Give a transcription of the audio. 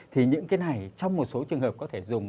thì những cái này trong một số trường hợp có thể dùng